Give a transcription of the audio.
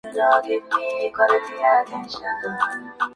Éste año se une al grupo Supreme.